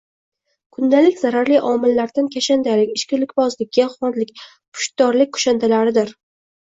Kundalik zararli omillardan kashandalik, ichkilikbozlik, giyohvandlik pushtdorlik kushandalaridandir.